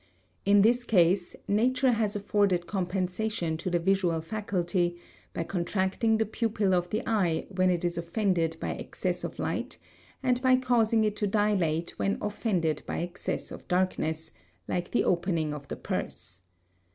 In this case nature has afforded compensation to the visual faculty by contracting the pupil of the eye when it is offended by excess of light and by causing it to dilate when offended by excess of darkness, like the opening of the purse.